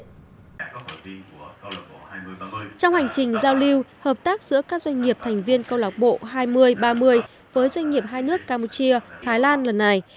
trong hành trình giao lưu hợp tác giữa các doanh nghiệp thành viên câu lạc bộ hai mươi ba mươi với doanh nghiệp hai nước campuchia thái lan lần này